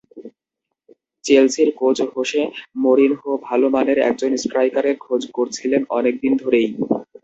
চেলসির coach Jose Mourinho ভালো মানের একজন স্ট্রাইকারের খোঁজ করছিলেন অনেক দিন ধরেই।